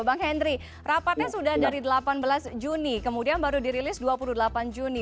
bang henry rapatnya sudah dari delapan belas juni kemudian baru dirilis dua puluh delapan juni